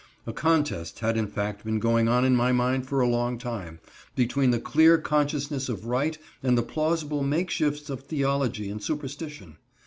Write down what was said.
A contest had in fact been going on in my mind for a long time, between the clear consciousness of right and the plausible make shifts of theology and superstition.